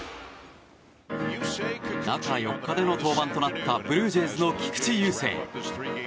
中４日での登板となったブルージェイズの菊池雄星。